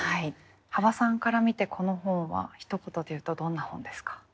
幅さんから見てこの本はひと言で言うとどんな本ですか？